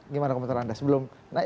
gimana komentar anda